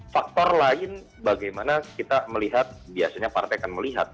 faktor lain bagaimana kita melihat biasanya partai akan melihat